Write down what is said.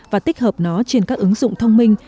và tích hợp nó trên các ứng dụng thông minh